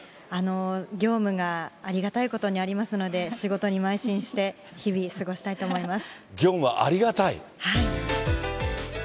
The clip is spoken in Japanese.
業務がありがたいことにありますので、仕事にまい進して、日々、過ごしたいと思います。